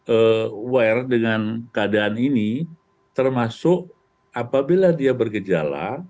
aware dengan keadaan ini termasuk apabila dia bergejala